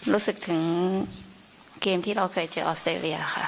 รู้สึกถึงเกมที่เราเคยเจอออสเตรเลียค่ะ